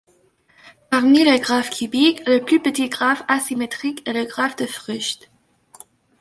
Parmi les graphes cubiques, le plus petit graphe asymétrique est le graphe de Frucht.